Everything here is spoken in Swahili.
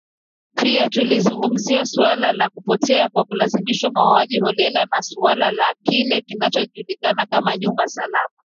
Pia tulizungumzia suala la kupotea kwa kulazimishwa mauaji holela na suala la kile kinachojulikana kama nyumba salama